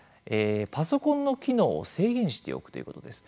パソコンの機能を制限しておくということです。